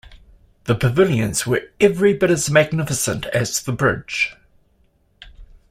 The pavilions were every bit as magnificent as the bridge.